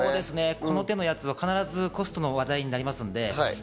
この手のやつは必ずコストが話題になります。